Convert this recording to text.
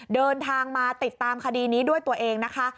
เดินทางมาติดตามคดีนี้ด้วยตัวเองนะคะ